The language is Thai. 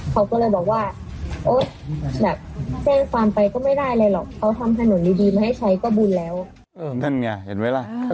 เขาก็เลยบอกว่าโอ้ยแบบเสร็จความไปก็ไม่ได้เลยหรอก